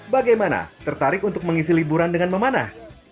bagaimana tertarik untuk mengisi liburan dengan memanah